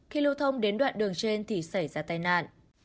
khi lưu thông đến đoạn đường trên thì xảy ra tai nạn